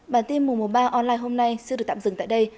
bản tin mùa ba online hôm nay sẽ được tạm dừng tại đây